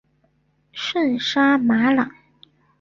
圣沙马朗。